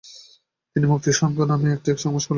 তিনি ‘মুক্তি সংঘ’ নামে একটি সমাজকল্যাণমূলক সংস্থা গঠন করেন।